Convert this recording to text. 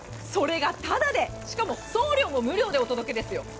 それがただで、しかも送料も無料でお届けですよ。